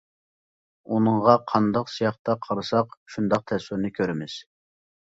ئۇنىڭغا قانداق سىياقتا قارىساق شۇنداق تەسۋىرنى كۆرىمىز.